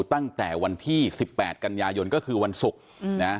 ตั้งแต่วันที่๑๘กันยายนก็คือวันศุกร์นะ